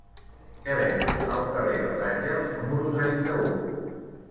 Què venen al carrer dels Àngels número trenta-u?